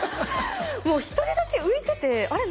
もう一人だけ浮いててあれ？